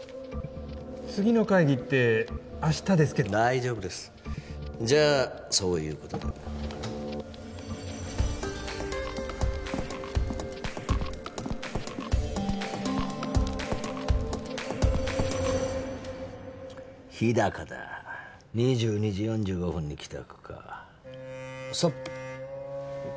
次の会議って明日ですけど大丈夫ですじゃあそういうことで日高だ２２時４５分に帰宅かストップ